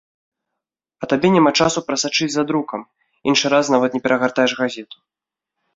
А табе няма часу прасачыць за друкам, іншы раз нават не перагартаеш газету.